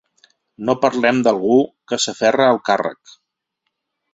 No parlem d’algú que s’aferra al càrrec.